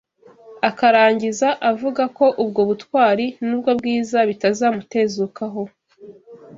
Akarangiza avuga ko ubwo butwari n’ubwo bwiza bitazamutezukaho